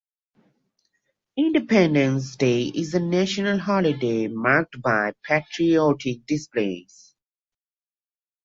Independence Day is a national holiday marked by patriotic displays.